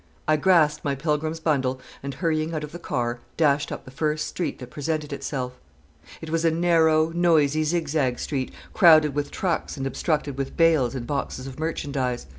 I grasped my pilgrim's bundle, and, hurrying out of the car, dashed up the first street that presented itself. It was a narrow, noisy, zigzag street, crowded with trucks and obstructed with bales and boxes of merchandise.